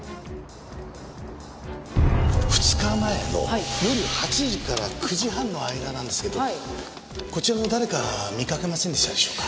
２日前の夜８時から９時半の間なんですけどこちらの誰か見かけませんでしたでしょうか？